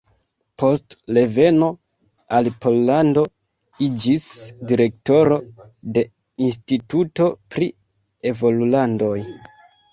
Post reveno al Pollando iĝis direktoro de Instituto pri Evolulandoj.